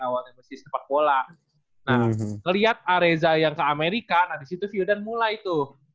awalnya masih sepak bola nah ngeliat reza yang ke amerika nah disitu vildan mulai tuh